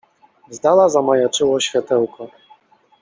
Z dala zamajaczyło światełko.